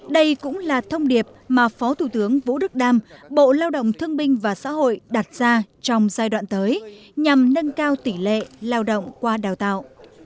đây cũng là thông điệp mà phó thủ tướng vũ đức đam bộ lao động thương binh và xã hội đặt ra trong giai đoạn tới nhằm nâng cao tỷ lệ lao động qua đào tạo